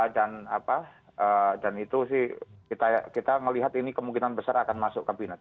dan itu sih kita melihat ini kemungkinan besar akan masuk kabinet